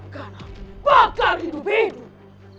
kau yang akan aku bakar hidup hidup